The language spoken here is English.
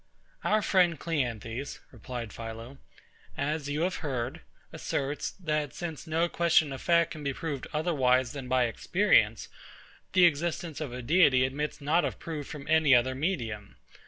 Our friend CLEANTHES, replied PHILO, as you have heard, asserts, that since no question of fact can be proved otherwise than by experience, the existence of a Deity admits not of proof from any other medium.